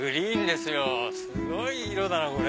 すごい色だなぁこれ。